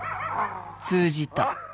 通じた。